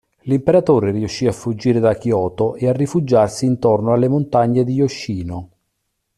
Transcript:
L'imperatore riuscì a fuggire da Kyoto e a rifugiarsi intorno alle montagne di Yoshino.